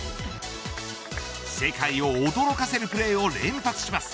世界を驚かせるプレーを連発します。